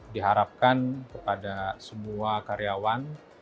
diharapkan kepada semua karyawan